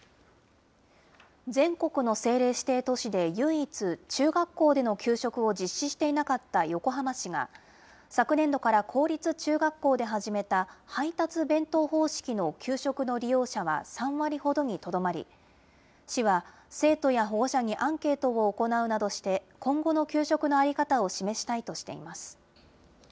全国の政令指定都市で唯一、中学校での給食を実施していなかった横浜市が、昨年度から公立中学校で始めた配達弁当方式の給食の利用者は３割ほどにとどまり、市は、生徒や保護者にアンケートを行うなどして、今後の給食の在り方を示したいとしています。